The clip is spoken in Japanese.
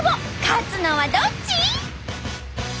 勝つのはどっち！？